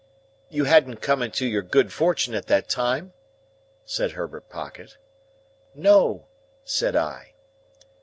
"You hadn't come into your good fortune at that time?" said Herbert Pocket. "No," said I.